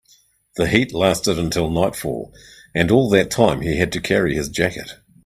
The heat lasted until nightfall, and all that time he had to carry his jacket.